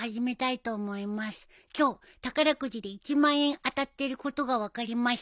今日宝くじで１万円当たっていることが分かりました。